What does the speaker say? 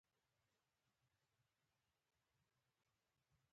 خو اوس امريکايان له خپلو موټرانو داسې يو شى خپروي.